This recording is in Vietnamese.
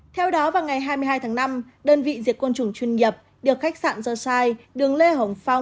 theo đó vào ngày hai mươi hai tháng năm đơn vị diệt côn trùng chuyên nghiệp được khách sạn dơ sai đường lê hồng phong